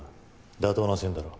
妥当な線だろう。